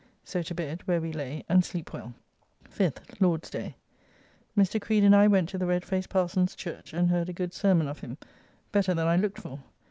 So to bed, where we lay and sleep well. 5th (Lord's day). Mr. Creed and I went to the red faced Parson's church, and heard a good sermon of him, better than I looked for.